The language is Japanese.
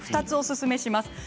２つをおすすめします。